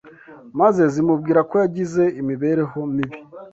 maze zimubwira ko yagize imibereho mibi